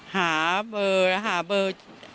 หาเบอร์แล้วหาเบอร์